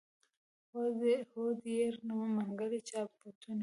هو يره منګلی چا بوته.